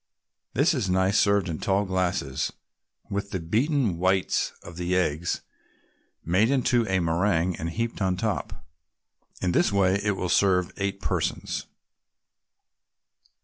This is nice served in tall glasses, with the beaten whites of the eggs made into a meringue and heaped on top. In this way it will serve eight persons.